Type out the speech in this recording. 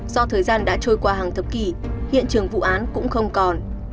do thời gian đã trôi qua hàng thập kỷ hiện trường vụ án cũng không còn